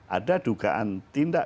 ada dugaan tindak